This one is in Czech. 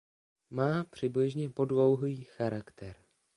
Má přibližně podlouhlý charakter.